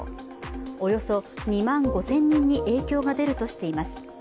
およそ２万５０００人に影響が出るとしています。